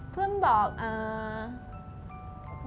เพื่อนบอกเอ่อ